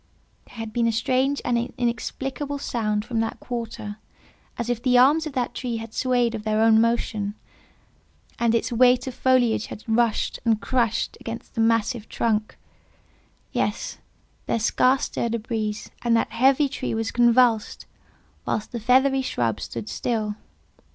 There had been a strange and inexplicable sound from that quarter, as if the arms of that tree had swayed of their own motion, and its weight of foliage had rushed and crushed against the massive trunk. Yes; there scarce stirred a breeze, and that heavy tree was convulsed, whilst the feathery shrubs stood still.